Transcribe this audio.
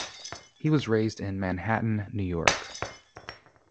He was raised in Manhattan, New York.